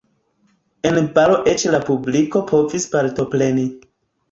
En balo eĉ la publiko povis partopreni.